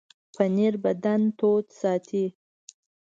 پنېر بدن تاوده ساتي.